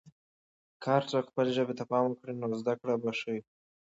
که هر څوک خپلې ژبې ته پام وکړي، نو زده کړه به ښه وي.